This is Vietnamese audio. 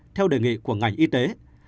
theo đề nghị của ngành y tế